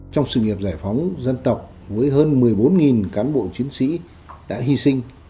trong sự nghiệp giải phóng dân tộc với hơn một mươi bốn cán bộ chiến sĩ đã hy sinh